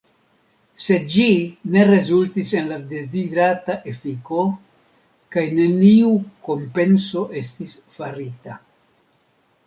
Sed ĝi ne rezultis en la dezirata efiko kaj neniu kompenso estis farita.